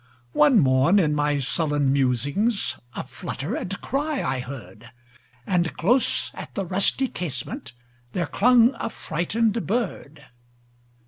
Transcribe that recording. One morn, in my sullen musings,A flutter and cry I heard; And close at the rusty casementThere clung a frightened bird.